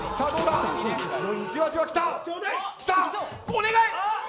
お願い。